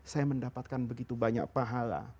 saya mendapatkan begitu banyak pahala